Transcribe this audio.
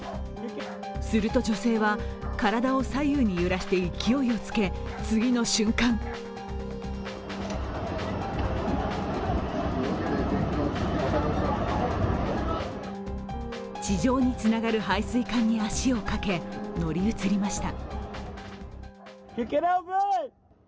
すると女性は体を左右に揺らして勢いをつけ、次の瞬間地上につながる排水管に足をかけ、乗り移りました。